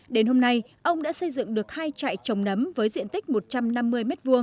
đến hôm nay ông đã xây dựng được hai trại trồng nấm với diện tích một trăm năm mươi m hai